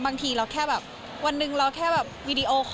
บางทีแบบวันหนึ่งเราแบบวิดีโอ